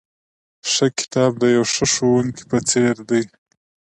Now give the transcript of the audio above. ښه کتاب د یوه ښه ښوونکي په څېر دی.